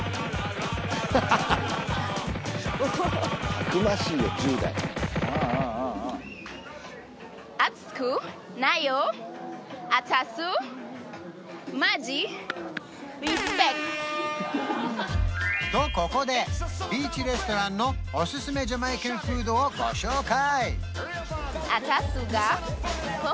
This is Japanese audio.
たくましいよ１０代うんうんうんうんとここでビーチレストランのおすすめジャマイカンフードをご紹介！